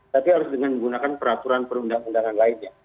tapi harus dengan menggunakan peraturan perundangan undangan lainnya